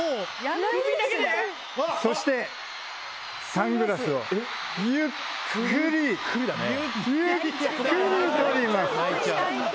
そしてサングラスをゆっくりゆっくり取ります。